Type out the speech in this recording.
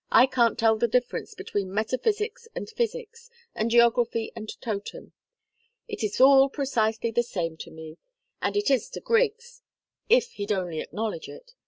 "I can't tell the difference between metaphysics and psychics, and geography and Totem. It is all precisely the same to me and it is to Griggs, if he'd only acknowledge it.